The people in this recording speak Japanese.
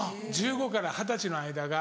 １５から二十歳の間が。